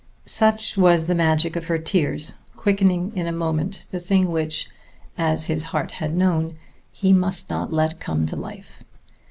Such was the magic of her tears, quickening in a moment the thing which, as his heart had known, he must not let come to life.